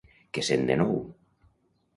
Què sent de nou?